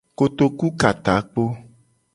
Kotoku ka takpo.